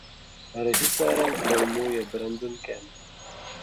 Režisérem filmu je Brandon Camp.